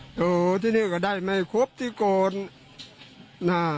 โหที่นี่ก็ได้ไม่คบที่ก่อน